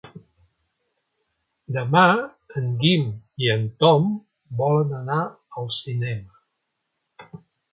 Demà en Guim i en Tom volen anar al cinema.